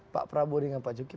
pak prabowo dengan pak jokowi